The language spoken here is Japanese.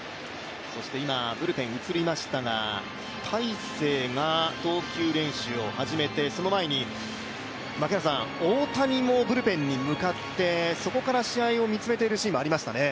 今、ブルペン映りましたが大勢が映りまして、その前に、大谷もブルペンに向かって、そこから見つめているシーンもありましたね。